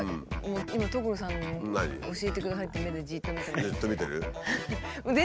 今所さん教えてくださいって目でじっと見てます。